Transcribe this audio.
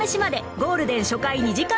ゴールデン初回２時間